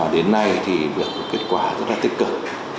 đến nay việc kết quả rất tích cực